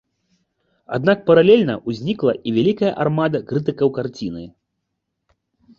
Аднак паралельна ўзнікла і вялікая армада крытыкаў карціны.